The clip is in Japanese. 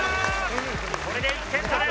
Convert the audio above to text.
これで１点差です。